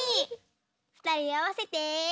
ふたりあわせて。